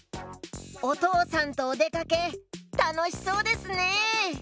おとうさんとおでかけたのしそうですね！